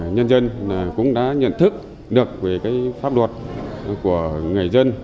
nhân dân cũng đã nhận thức được về pháp luật của người dân